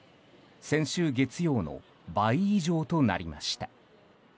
先週月曜の倍以上となりました。